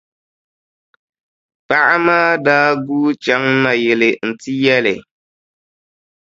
Paɣa maa daa guui chaŋ nayili n-ti yɛli.